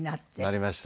なりました。